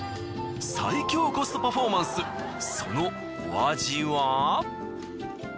最強コストパフォーマンスそのお味は。